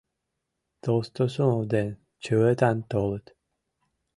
Толстосумов ден Чывытан толыт.